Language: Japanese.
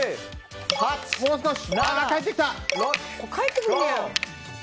もう少し。